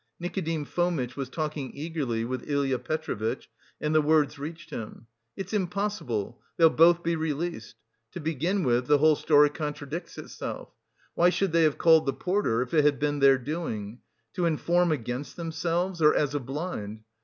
Nikodim Fomitch was talking eagerly with Ilya Petrovitch, and the words reached him: "It's impossible, they'll both be released. To begin with, the whole story contradicts itself. Why should they have called the porter, if it had been their doing? To inform against themselves? Or as a blind?